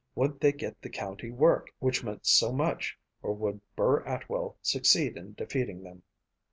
Would they get the county work which meant so much or would Burr Atwell succeed in defeating them?